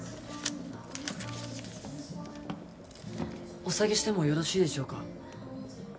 お下げしてもよろしいでしょうか